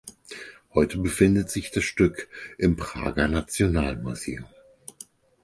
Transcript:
Heute befindet sich das Stück im Prager Nationalmuseum.